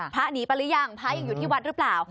หนีไปหรือยังพระยังอยู่ที่วัดหรือเปล่า